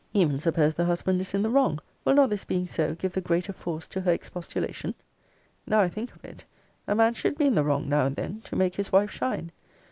Even suppose the husband is in the wrong, will not this being so give the greater force to her expostulation? Now I think of it, a man should be in the wrong now and then, to make his wife shine.